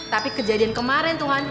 tapi kejadian kemarin tuhan